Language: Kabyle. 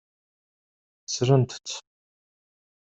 Ttrent-t.